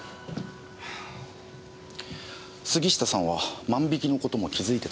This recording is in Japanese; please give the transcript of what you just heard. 杉下さんは万引きのことも気づいてたんですか？